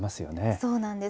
そうなんです。